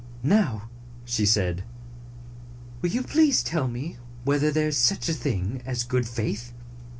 "Now," sihe said, "will you please tell me whether there is such a thing as good faith